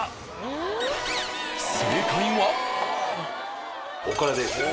正解は。